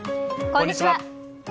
こんにちは。